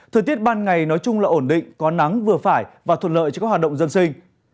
thời tiết ban ngày nói chung là ổn định có nắng vừa phải và thuận lợi cho các hoạt động dân sinh